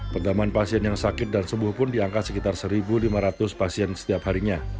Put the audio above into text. pegaman pasien yang sakit dan sembuh pun diangkat sekitar satu lima ratus pasien setiap harinya